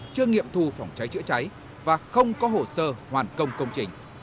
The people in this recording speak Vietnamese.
chưa nghiệm thu phòng cháy chữa cháy và không có hồ sơ hoàn công công trình